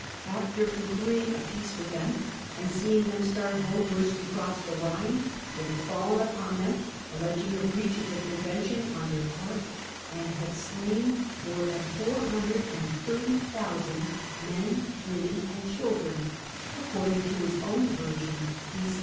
After concluding a peace with them, and seeing them start homewards to cross the Ehine, he had fallen upon them, alleging a breach of the convention on their part, and had slain more than 430,000 men, women, and children, according to his own version [b.C.